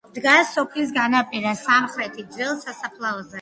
დგას სოფლის განაპირას, სამხრეთით, ძველ სასაფლაოზე.